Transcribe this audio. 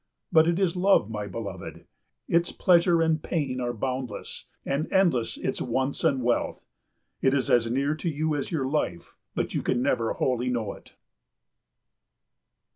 But it is love, my beloved. Its pleasure and pain are boundless, and endless its wants and wealth. It is as near to you as your life, but you can never wholly know it.